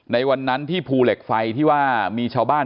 ในวันนั้นที่ภูเหล็กไฟที่ว่ามีชาวบ้าน